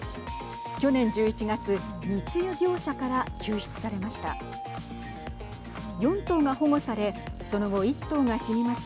去年１１月密輸業者から救出されました。